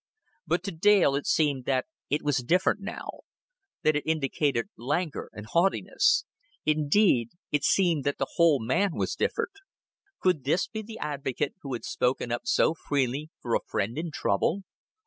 But to Dale it seemed that it was different now, that it indicated languor and haughtiness; indeed, it seemed that the whole man was different. Could this be the advocate who had spoken up so freely for a friend in trouble?